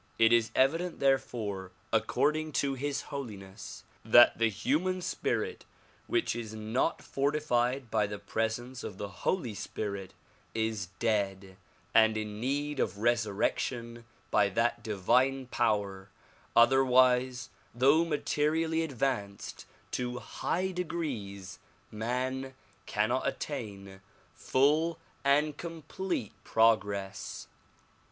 It is evident therefore according to His Holiness that the human spirit which is not fortified by the presence of the Holy Spirit is dead and in need of resurrection by that divine power; otherwise though materially advanced to high degrees man cannot attain full and complete progress.